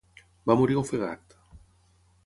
Va morir ofegat.